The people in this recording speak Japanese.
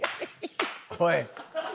おい！